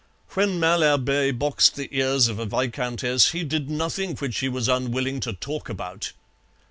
When Malherbe boxed the ears of a viscountess he did nothing which he was unwilling to talk about.